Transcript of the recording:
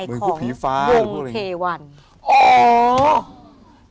เหมือนผู้ผีฟ้าหรือพวกอะไรอย่างงี้ของวงเพวันอ๋อ